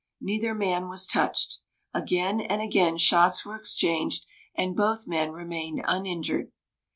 Neither man was touched. Again and again shots were exchanged, and both men remained uninjured.